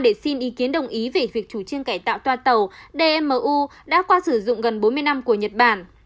để xin ý kiến đồng ý về việc chủ trương cải tạo toa tàu dmu đã qua sử dụng gần bốn mươi năm của nhật bản